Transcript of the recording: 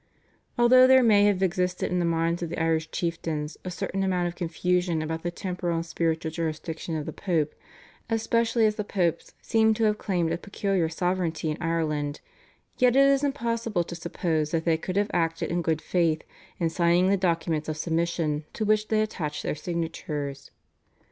Although there may have existed in the minds of the Irish chieftains a certain amount of confusion about the temporal and spiritual jurisdiction of the Pope, especially as the Popes seem to have claimed a peculiar sovereignty in Ireland, yet it is impossible to suppose that they could have acted in good faith in signing the documents of submission to which they attached their signatures.